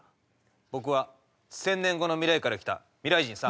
僕は１０００年後の未来から来た未来人さ。